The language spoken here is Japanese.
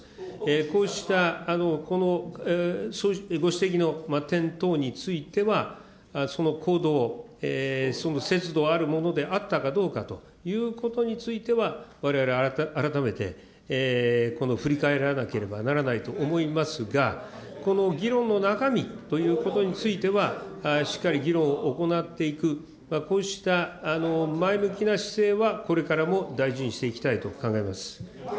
こうしたこのご指摘の点等については、その行動、節度あるものであったかどうかということについては、われわれ、改めて振り返らなければならないと思いますが、この議論の中身ということについては、しっかり議論を行っていく、こうした前向きな姿勢は、これからも大事にしていきたいと考えます。